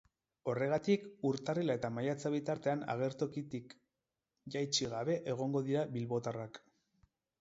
Horregatik, urtarrila eta maiatza bitartean agertokitik jaitsi gabe egongo dira bilbotarrak.